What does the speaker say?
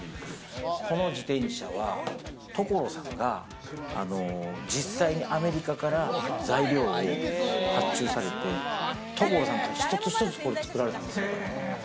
この自転車は所さんが実際にアメリカから材料を発注されて、所さんが一つ一つこれ作られたんですよ。